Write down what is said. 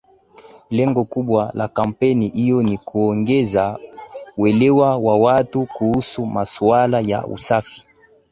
Lengo kubwa la kampeni hiyo ni kuongeza uelewa wa watu kuhusu masuala ya usafi